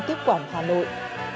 tiếp quản hà nội